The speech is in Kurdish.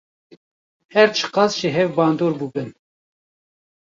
Her çi qas ji hev bandor bûbin.